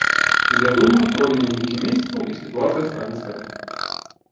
Я думаю, пройдзе некалькі месяцаў і сітуацыя стане стабільнай.